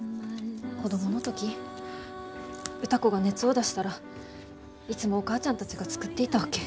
子供の時歌子が熱を出したらいつもお母ちゃんたちが作っていたわけ。